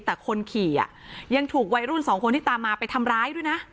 แต่คนขี่ยังถูกวัยรุ่นสองคนที่ตามมาไปทำร้ายด้วยนะ